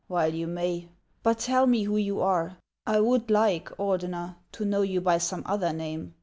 while you may. But tell me who you are. I would like, Ordener. to know you by some other name.